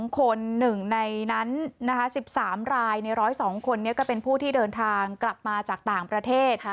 ๑๐๒คนหนึ่งในนั้นนะคะ๑๓รายใน๑๐๒คนเนี่ยก็เป็นผู้ที่เดินทางกลับมาจากต่างประเทศ